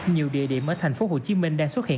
nhiều địa điểm ở tp hcm đang xuất hiện